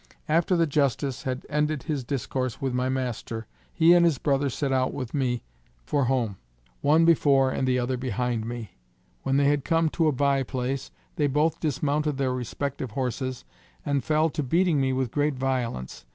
After the Justice had ended his discourse with my master, he and his brother set out with me for home, one before and the other behind me. When they had come to a bye place, they both dismounted their respective horses, and fell to beating me with great violence.